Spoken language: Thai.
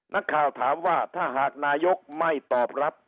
นักข่าวถามว่าถ้าหากนายกไม่ตอบรับ